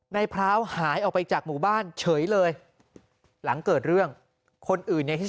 พร้าวหายออกไปจากหมู่บ้านเฉยเลยหลังเกิดเรื่องคนอื่นเนี่ยที่